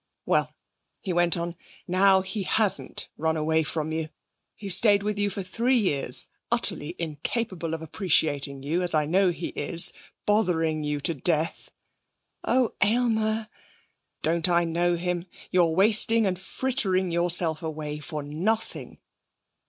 'Well,' he went on, 'now, he hasn't run away from you. He's stayed with you for three years; utterly incapable of appreciating you, as I know he is, bothering you to death.' 'Oh, Aylmer!' 'Don't I know him? You're wasting and frittering yourself away for nothing.'